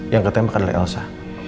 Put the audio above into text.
yang ketembak adalah elsa